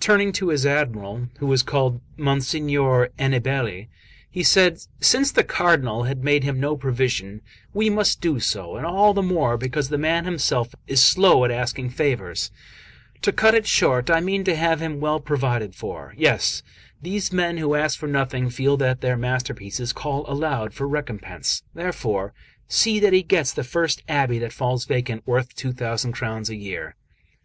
Turning to his Admiral, who was called Monsignor Aniballe, he said: "Since the Cardinal had made him no provision, we must do so, and all the more because the man himself is so slow at asking favours to cut it short, I mean to have him well provided for; yes, these men who ask for nothing feel that their masterpieces call aloud for recompense; therefore see that he gets the first abbey that falls vacant worth two thousand crowns a year.